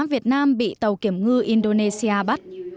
việt nam bị tàu kiểm ngư indonesia bắt